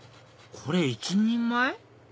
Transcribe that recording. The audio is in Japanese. これ１人前？